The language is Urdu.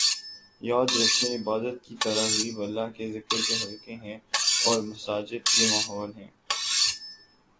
یاد رکھیں عبادت کی تراغیب اللہ کے ذکر کے حلقے ہیں اور مساجد کے ماحول ہیں